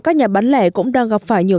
thứ ba là về mặt công nghệ